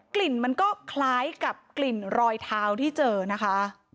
กลิ่นมันก็คล้ายกับกลิ่นรอยเท้าที่เจอนะคะ